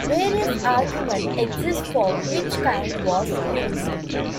Various arguments exist for which kind was used.